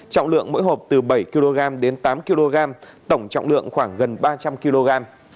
trọng lượng mỗi hộp từ bảy kg đến tám kg tổng trọng lượng khoảng gần ba trăm linh kg